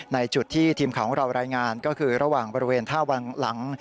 ในจุดที่ทีมข่าวของเรารายงานก็คือระหว่างบริเวณท่าวังหลัง